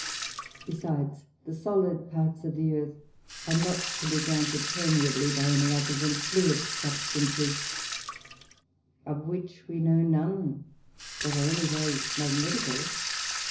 Besides, the solid parts of the Earth are not to be granted permeably by any other than fluid Substances, of which we know none that are any ways Magnetical.